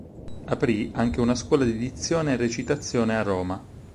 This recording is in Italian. Aprì anche una scuola di dizione e recitazione a Roma.